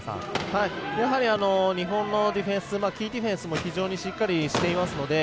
やはり日本のディフェンスキーディフェンスも非常にしっかりしていますので。